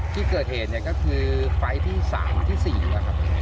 ที่เกิดเห็นก็คือไฟที่๓ที่๔นะครับ